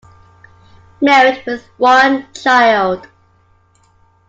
Married with one child.